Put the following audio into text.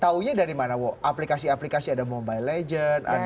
taunya dari mana bowo aplikasi aplikasi ada mobile legends ada tiktok tadi